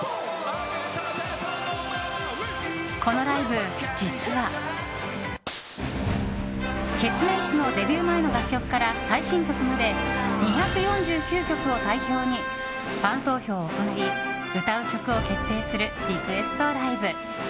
このライブ、実はケツメイシのデビュー前の楽曲から最新曲まで２４９曲を対象にファン投票を行い歌う曲を決定するリクエストライブ。